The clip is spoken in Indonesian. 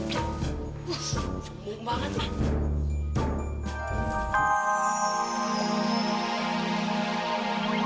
dia punya duit